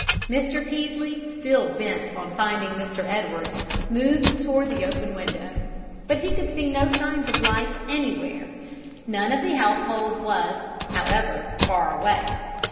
Mr. Peaslee, still bent on finding Mr. Edwards, moved toward the open window. But he could see no signs of life anywhere. None of the household was, however, far away.